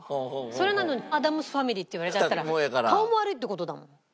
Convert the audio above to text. それなのにアダムス・ファミリーって言われちゃったら顔も悪いって事だもん。